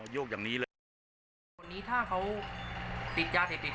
ตอนนี้ถ้าเขาติดยาเสพติด